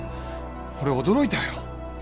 俺驚いたよ。